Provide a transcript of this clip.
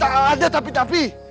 tidak ada tapi tapi